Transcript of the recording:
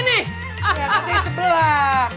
ya kaget yang sebelah